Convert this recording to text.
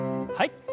はい。